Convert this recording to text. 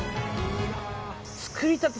作り立て。